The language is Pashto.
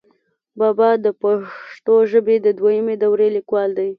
بابا دَپښتو ژبې دَدويمي دورې ليکوال دی،